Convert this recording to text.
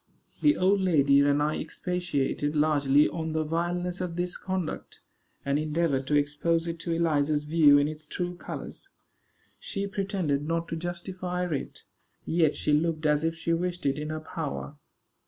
The old lady and I expatiated largely on the vileness of this conduct, and endeavored to expose it to Eliza's view in its true colors. She pretended not to justify it; yet she looked as if she wished it in her power.